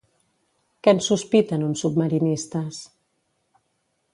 Què en sospiten uns submarinistes?